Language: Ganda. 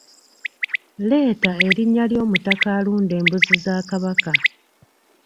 Leeta erinnya ly’omutaka alunda embuzi za Kabaka?